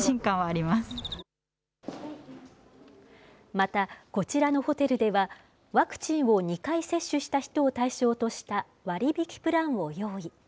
また、こちらのホテルでは、ワクチンを２回接種した人を対象とした割引プランを用意。